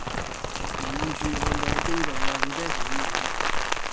遠處看到機動遊戲的起起落落